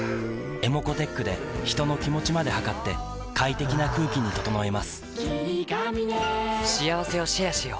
ｅｍｏｃｏーｔｅｃｈで人の気持ちまで測って快適な空気に整えます